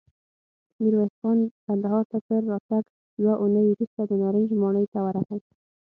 ميرويس خان کندهار ته تر راتګ يوه اوونۍ وروسته د نارنج ماڼۍ ته ورغی.